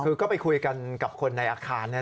คือก็ไปคุยกันกับคนในอาคาร